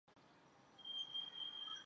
吉林大学法学院毕业。